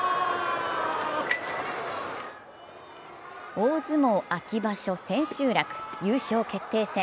大相撲秋場所千秋楽、優勝決定戦。